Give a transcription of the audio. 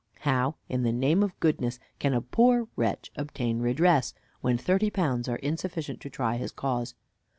How, in the name of goodness, can a poor wretch obtain redress, when thirty pounds are insufficient to try his cause?